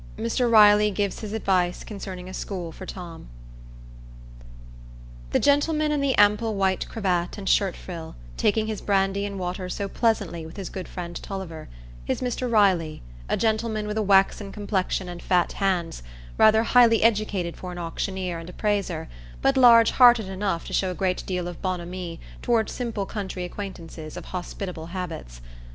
Mr Riley Gives His Advice Concerning a School for Tom The gentleman in the ample white cravat and shirt frill, taking his brandy and water so pleasantly with his good friend Tulliver, is Mr Riley, a gentleman with a waxen complexion and fat hands, rather highly educated for an auctioneer and appraiser, but large hearted enough to show a great deal of bonhomie toward simple country acquaintances of hospitable habits.